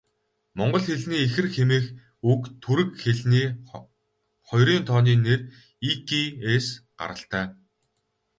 Монгол хэлний ихэр хэмээх үг түрэг хэлний хоёрын тооны нэр 'ики'-ээс гаралтай.